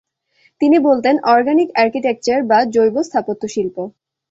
তিনি বলতেন “organic architecture” বা “জৈব স্থাপত্যশিল্প”।